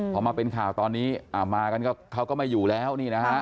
พอมาเป็นข่าวตอนนี้มาก็เขาก็ไม่อยู่แล้ว